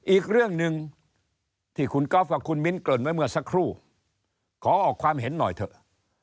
อีกเรื่องหนึ่งที่คุณก๊อฟกับคุณมิ้นเกริ่นไว้เมื่อสักครู่ขอออกความเห็นหน่อยเถอะ